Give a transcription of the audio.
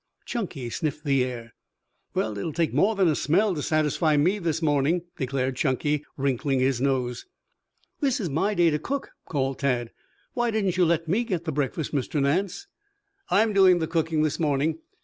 Chunky sniffed the air. "Well, it will take more than a smell to satisfy me this morning," declared Chunky, wrinkling his nose. "This is my day to cook," called Tad. "Why didn't you let me get the breakfast, Mr. Nance?" "I'm doing the cooking this morning.